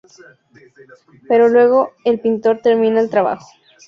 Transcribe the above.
Pero luego el pintor termina el trabajo.